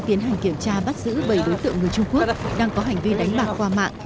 tiến hành kiểm tra bắt giữ bảy đối tượng người trung quốc đang có hành vi đánh bạc qua mạng